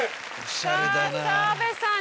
さぁ澤部さん